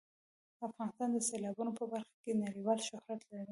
افغانستان د سیلابونه په برخه کې نړیوال شهرت لري.